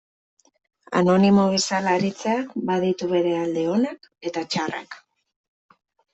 Anonimo bezala aritzeak baditu bere alde onak eta txarrak.